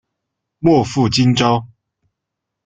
莫负今朝！